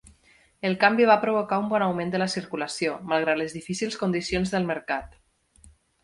El canvi va provocar un bon augment de la circulació, malgrat les difícils condicions del mercat.